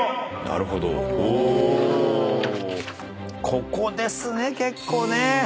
ここですね結構ね。